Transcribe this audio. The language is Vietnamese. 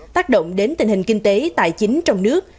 tác động đến tình hình kinh tế tài chính trong nước